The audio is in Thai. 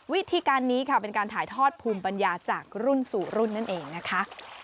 วิธีการนี้ค่ะเป็นการถ่ายทอดภูมิปัญญาจากรุ่นสู่รุ่นนั่นเองนะคะ